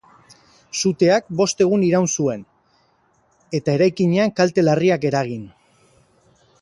Suteak bost egun iraun zuen, eta eraikinean kalte larriak eragin.